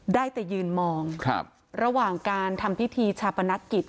ได้แต่ยืนมองระหว่างการทำพิธีชาปนกิจ